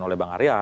oleh bang arya